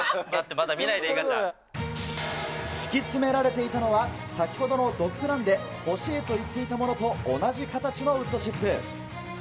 待って、まだ見ないで、敷き詰められていたのは、先ほどのドッグランで欲しいと言っていたものと同じ形のウッドチップ。